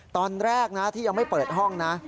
ตอนแรกนะที่ยังไม่เปิดห้องนะ